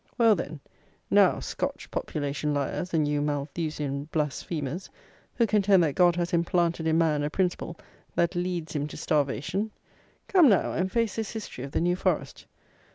Well, then, now Scotch population liars, and you Malthusian blasphemers, who contend that God has implanted in man a principle that leads him to starvation; come, now, and face this history of the New Forest.